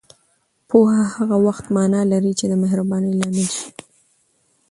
پوهه هغه وخت معنا لري چې دمهربانۍ لامل شي